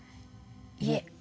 いえ。